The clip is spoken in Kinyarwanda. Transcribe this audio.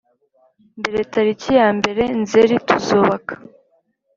mbere tariki ya mbere Nzerituzubaka